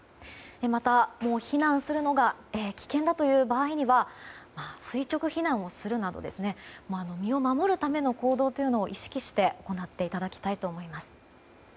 また、避難するのが危険だという場合には垂直避難をするなど身を守るための行動を意識して行っていただきたいと思います。